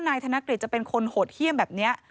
นายธนกฤทธิ์จะเป็นคนห่ดเฮี่ยมแบบเนี้ย